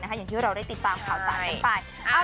อย่างที่เราได้ติดตามข่าวสารกันไป